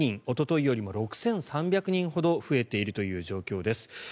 おとといよりも６３００人ほど増えているという状況です。